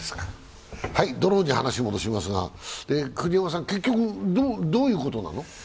ドローンに話を戻しますが、結局、どういうことなの？